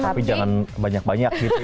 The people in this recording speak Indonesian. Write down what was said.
tapi jangan banyak banyak gitu